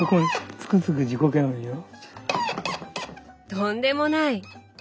とんでもない！